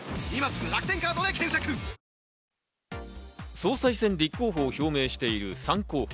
総裁選立候補を表明している３候補。